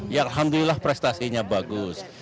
ya alhamdulillah prestasinya bagus